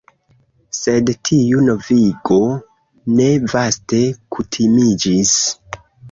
Sed tiu novigo ne vaste kutimiĝis.